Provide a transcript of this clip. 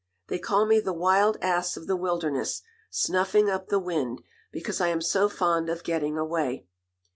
"They call me 'the wild ass of the wilderness, snuffing up the wind,' because I am so fond of getting away."